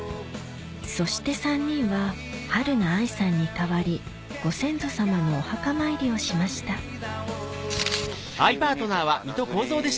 そして３人ははるな愛さんに代わりご先祖様のお墓参りをしましたしげる兄ちゃん穴釣り。